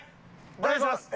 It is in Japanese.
お願いします。